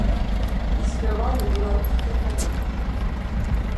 І спявалі беларускія калядкі!